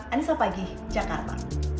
anis apagih jakarta